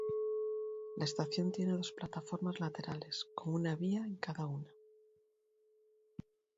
La estación tiene dos plataformas laterales, con una vía en cada una.